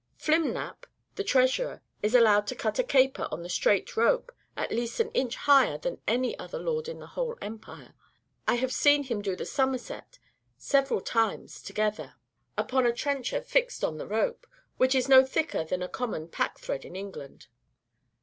Flimnap, the treasurer, is allowed to cut a caper on the strait rope at least an inch higher than any other lord in the whole empire. I have seen him do the somerset several times together, upon a trencher fixed on the rope, which is no thicker than a common packthread in England.